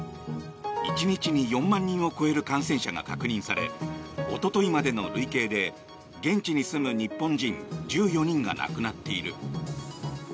１日に４万人を超える感染者が確認されおとといまでの累計で現地に住む日本人１４人が亡くなっている。